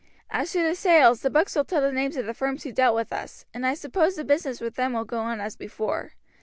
As to the sales, the books will tell the names of the firms who dealt with us, and I suppose the business with them will go on as before.